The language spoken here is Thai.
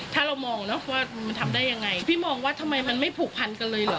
ถ้าเรามองแล้วว่ามันทำได้ยังไงพี่มองว่าทำไมมันไม่ผูกพันกันเลยเหรอ